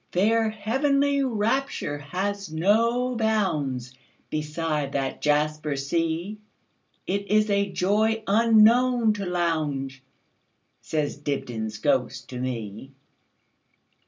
Their heavenly rapture has no boundsBeside that jasper sea; It is a joy unknown to Lowndes,"Says Dibdin's ghost to me.